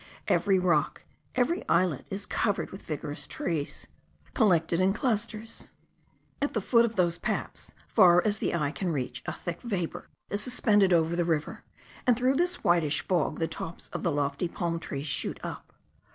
Every rock, every islet is covered with vigorous trees, collected in clusters. At the foot of those paps, far as the eye can reach, a thick vapour is suspended over the river, and through this whitish fog the tops of the lofty palm trees shoot up.